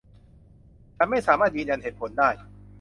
ฉันไม่สามารถยืนยันเหตุผลได้